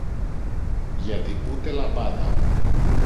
γιατί ούτε λαμπάδα